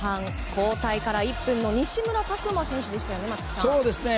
交代から１分の西村拓真選手でしたね松木さん。